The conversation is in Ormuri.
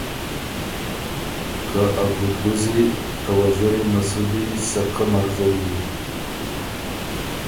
که ا ګُډبُوزی ته وزیری مسُودی سکۀ مرزوی یِن۔